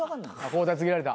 交代告げられた。